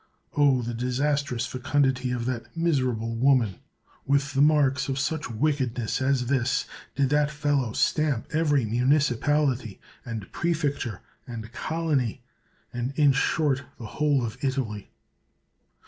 Oh, the disastrous fecundity of that miserable woman ! With the marks of such wickedness as this did that fellow stamp every munieipality, and prefecture, and colony, and, in short, the whole of Italy.